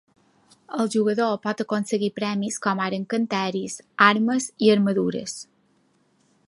El jugador pot aconseguir premis com ara encanteris, armes i armadures.